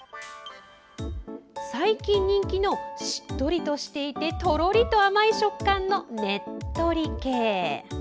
最近人気の、しっとりしていてとろりと甘い食感のねっとり系。